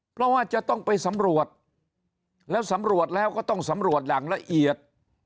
เพราะว่าจะต้องไปสำรวจแล้วสำรวจแล้วก็ต้องสำรวจอย่างละเอียด